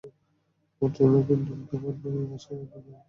Board যদি নতুন কোনো চিন্তাভাবনা নিয়ে আসে, তাহলে কথা বলতে পারি।